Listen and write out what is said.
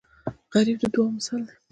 غریب د دعاو مثال دی